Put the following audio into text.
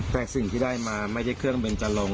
แต่สิ่งที่ได้มาไม่ใช่เครื่องเบนจรง